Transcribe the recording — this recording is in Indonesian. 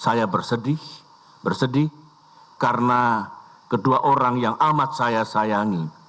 saya bersedih bersedih karena kedua orang yang amat saya sayangi